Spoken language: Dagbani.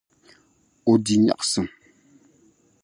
O di nyaɣisim.